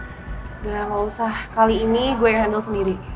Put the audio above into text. udah gak usah kali ini gue handle sendiri